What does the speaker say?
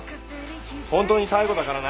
本当に最後だからな。